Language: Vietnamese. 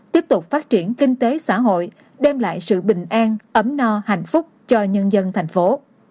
tiếp tục phát triển kinh tế xã hội đem lại sự bình an ấm no hạnh phúc cho nhân dân thành phố